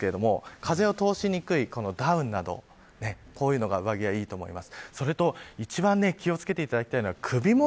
風を通しにくいダウンなどこういうものがいいと思います。